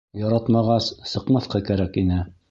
Яратмағас, сыҡмаҫҡа кәрәк ине.